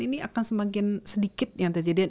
ini akan semakin sedikit yang terjadi